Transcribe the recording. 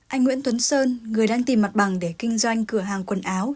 anh nguyễn tuấn sơn người đang tìm mặt bằng để kinh doanh cửa hàng quần áo